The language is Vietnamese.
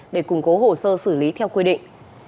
để củng cố hồ sơ xử lý theo quy định